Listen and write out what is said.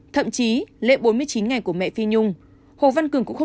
thậm chí lệ bốn mươi chín ngày của mẹ phi nhung